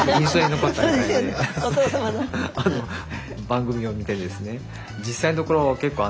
番組を見てですね。